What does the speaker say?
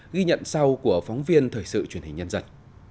ghi nhận sau của phóng viên thời sự truyền hình nhân dân